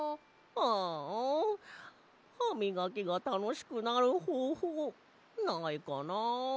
ああハミガキがたのしくなるほうほうないかな。